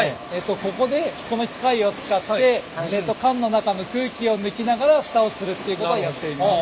ここでこの機械を使って缶の中の空気を抜きながら蓋をするということをやっています。